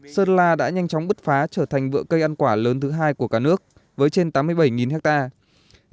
sơn la đã nhanh chóng bứt phá trở thành vựa cây ăn quả lớn thứ hai của cả nước với trên tám mươi bảy hectare